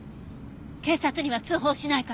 警察には通報しないから。